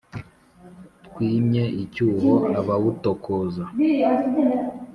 twime icyuho abawutokoza